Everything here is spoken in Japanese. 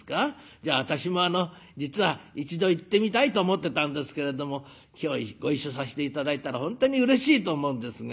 じゃあ私もあの実は一度行ってみたいと思ってたんですけれども今日ご一緒させて頂いたら本当にうれしいと思うんですが」。